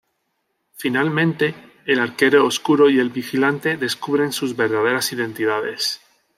Finalmente, el Arquero Oscuro y el Vigilante descubren sus verdaderas identidades.